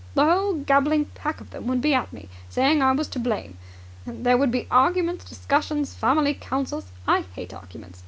The whole gabbling pack of them would be at me, saying I was to blame. There would be arguments, discussions, family councils! I hate arguments!